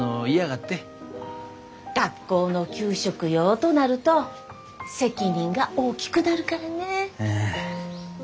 学校の給食用となると責任が大きくなるからねぇ。